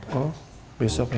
kok besok ya